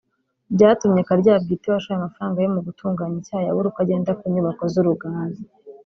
byatumye Karyabwite washoye amafaranga ye mu gutunganya icyayi abura uko agera ku nyubako z’uruganda